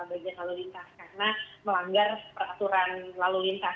bagian lalu lintas karena melanggar peraturan lalu lintas